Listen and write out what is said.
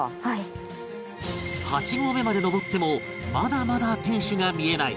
８合目まで登ってもまだまだ天守が見えない